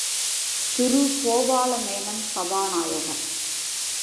திரு கோபால மேனன் சபாநாயகர்.